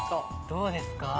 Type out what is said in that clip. どうですか？